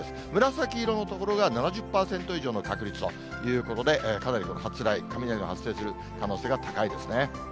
紫色の所が７０％以上の確率ということで、かなり発雷、雷の発生する可能性が高いですね。